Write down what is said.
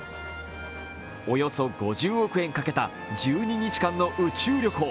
およそ５０億円かけた１２日間の宇宙旅行。